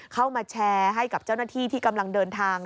เข้ามาแชร์ให้กับเจ้าหน้าที่ที่กำลังเดินทาง